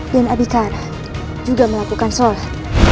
dan abikar juga melakukan sholat